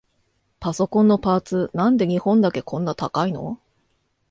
パソコンのパーツ、なんで日本だけこんな高いの？